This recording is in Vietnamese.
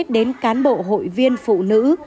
đến cán bộ hội viên phụ nữ